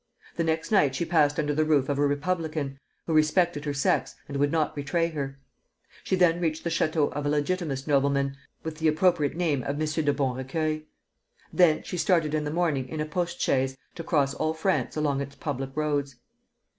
The next night she passed under the roof of a republican, who respected her sex and would not betray her. She then reached the château of a Legitimist nobleman with the appropriate name of M. de Bonrecueil. Thence she started in the morning in a postchaise to cross all France along its public roads.